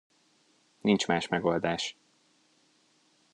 Nincs más megoldás.